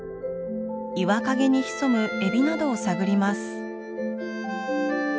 岩陰に潜むエビなどを探ります。